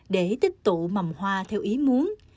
để tích tụ mầm hoa theo ý muốn